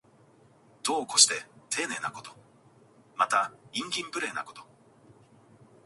度を越してていねいなこと。また、慇懃無礼なこと。